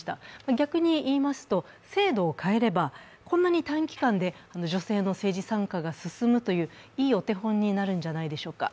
逆にいいますと、制度を変えればこんなに短期間で女性の政治参加が進むといういいお手本になるんじゃないでしょうか。